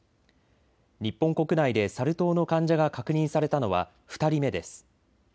日本国内でサル痘の患者が確認されたのは２人目です。